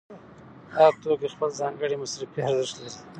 هر توکی خپل ځانګړی مصرفي ارزښت لري